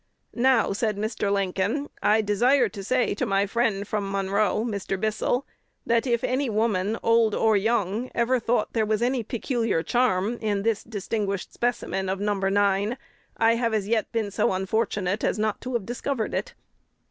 Now," said Mr. Lincoln, "I desire to say to my friend from Monroe (Mr. Bissell), that if any woman, old or young, ever thought there was any peculiar charm in this distinguished specimen of number nine, I have as yet been so unfortunate as not to have discovered it."